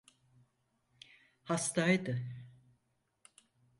Hastaydı.